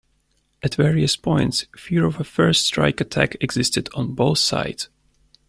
At various points, fear of a first strike attack existed on both sides.